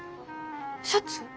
シャツ？